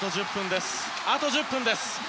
あと１０分です。